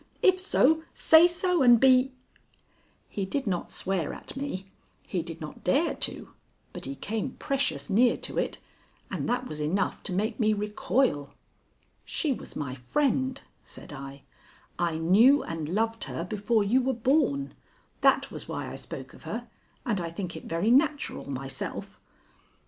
If so, say so, and be " He did not swear at me; he did not dare to, but he came precious near to it, and that was enough to make me recoil. "She was my friend," said I. "I knew and loved her before you were born. That was why I spoke of her, and I think it very natural myself."